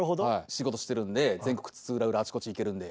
仕事してるんで全国津々浦々あちこち行けるんで。